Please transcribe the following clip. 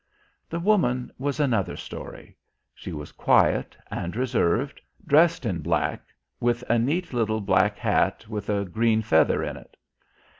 The woman was another story. She was quiet and reserved, dressed in black, with a neat little black hat with a green feather in it.